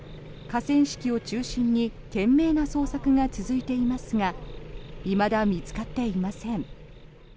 河川敷を中心に懸命な捜索が続いていますがいまだ見つかっていません。